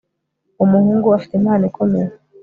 uwo muhungu afite impano ikomeye